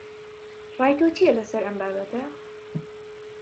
ڕای تۆ چییە لەسەر ئەم بابەتە؟